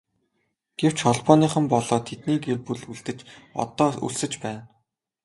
Гэвч Холбооныхон болоод тэдний гэр бүл үлдэж одоо өлсөж байна.